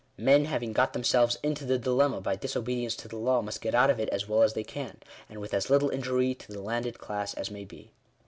Men having got themselves into the dilemma by disobedience to the law, must get out of it as well as they can ; and with as little injury to the landed class as may be.